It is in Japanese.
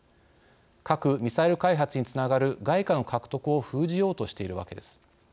核・ミサイル開発につながる外貨の獲得を封じようとしているわけです。